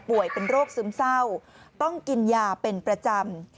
เป็นโรคซึมเศร้าต้องกินยาเป็นประจำ